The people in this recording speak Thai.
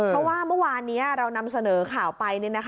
เพราะว่าเมื่อวานนี้เรานำเสนอข่าวไป